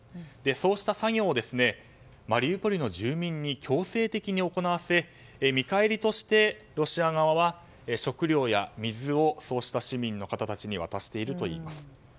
そうした作業をマリウポリの住民に強制的に行わせ見返りとしてロシア側は食料や水をそうした市民の方たちに渡しているといいます。